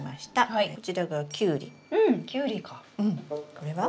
これは？